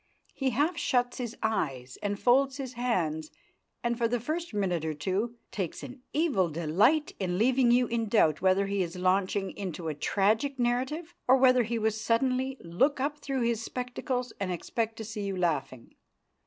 He half shuts his eyes and folds his hands, and, for the first minute or two, takes an evil delight in leaving you in doubt whether he is launching into a tragic narrative or whether he will suddenly look up through his spectacles and expect to see you laughing.